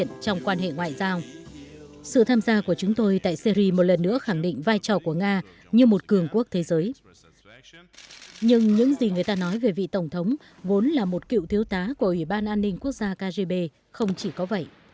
putin là một cựu thiếu tá của ủy ban an ninh quốc gia kgb không chỉ có vậy